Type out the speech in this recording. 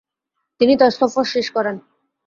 তিনি তার সফর শেষ করেন।